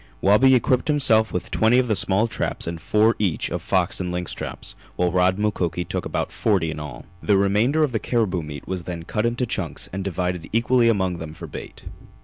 Wabi equipped himself with twenty of the small traps and four each of fox and lynx traps, while Rod and Mukoki took about forty in all. The remainder of the caribou meat was then cut into chunks and divided equally among them for bait.